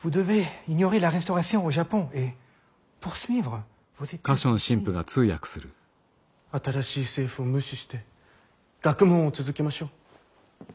「新しい政府を無視して学問を続けましょう」。